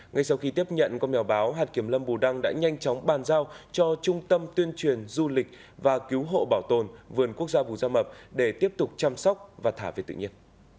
ngay sau khi tiếp nhận có nhà báo hạt kiểm lâm bù đăng đã nhanh chóng bàn giao cho trung tâm tuyên truyền du lịch và cứu hộ bảo tồn vườn quốc gia bù gia mập để tiếp tục chăm sóc và thả về tự nhiên